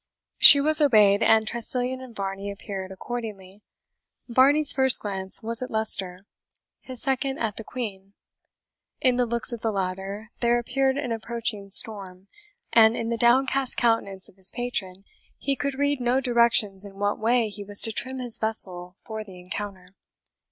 She was obeyed, and Tressilian and Varney appeared accordingly. Varney's first glance was at Leicester, his second at the Queen. In the looks of the latter there appeared an approaching storm, and in the downcast countenance of his patron he could read no directions in what way he was to trim his vessel for the encounter.